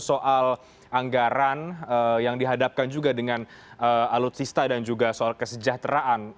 soal anggaran yang dihadapkan juga dengan alutsista dan juga soal kesejahteraan